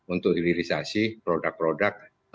untuk ililisasi produk produk